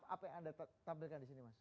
apa yang anda tampilkan disini mas